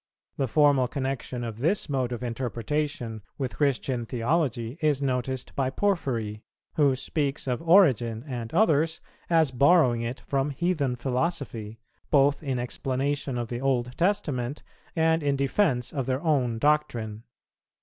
The formal connexion of this mode of interpretation with Christian theology is noticed by Porphyry, who speaks of Origen and others as borrowing it from heathen philosophy, both in explanation of the Old Testament and in defence of their own doctrine.